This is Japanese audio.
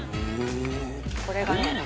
これがね